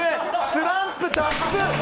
スランプ脱出！